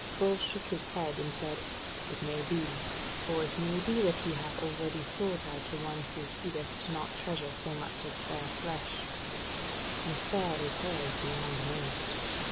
Bull shook his head, and said: "It may be: or it may be that he hath already sold her to one who heedeth not treasure so much as fair flesh; and fair is hers beyond most.